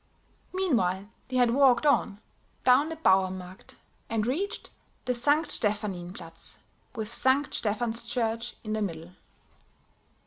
Meanwhile they had walked on, down the Bauermarkt and reached the St. Stephanienplatz, with St. Stephan's Church in the middle.